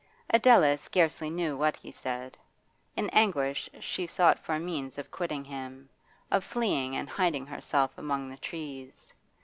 Adela scarcely knew what he said; in anguish she sought for a means of quitting him, of fleeing and hiding herself among the trees.